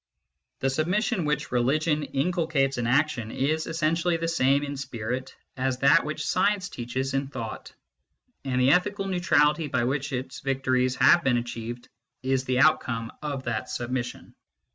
The submission which religion inculcates in action is essen tially the same in spirit as that which science teaches in thought ; and the ethical neutrality by which its victories have been achieved is the outcome of that submission.